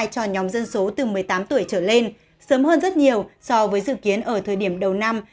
cho nhóm dân số từ một mươi tám tuổi trở lên sớm hơn rất nhiều so với dự kiến ở thời điểm đầu năm